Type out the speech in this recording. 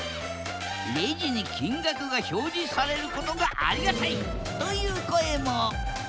レジに金額が表示されることがありがたいという声も！